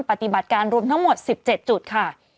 ปฏิบัติการรวมทั้งหมด๑๗จุดค่ะ